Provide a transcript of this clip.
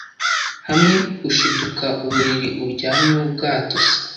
hamwe ushiduka uburiri uryamyeho bwatose